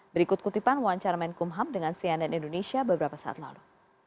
berikut kutipan wawancara menkumham dengan cnn indonesia beberapa saat lalu